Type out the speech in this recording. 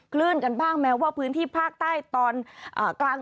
คลื่นกันบ้างแม้ว่าพื้นที่ภาคใต้ตอนกลาง